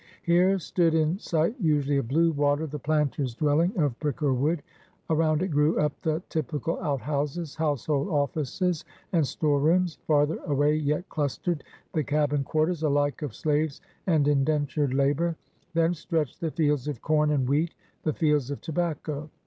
Here stood, in sight usually of blue water, the planter's dwelling of brick or wood. Around it grew up the typical out houses, household offices, and storerooms; farther away yet clustered the cabin quarters alike of slaves and indentured labor. Then stretched the fields of com and wheat, the fields of tobacco.